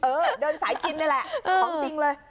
เออเดินสายกินนี่แหละของจริงเลย